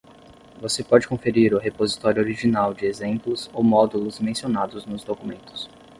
Você pode conferir o repositório original de exemplos ou módulos mencionados nos documentos.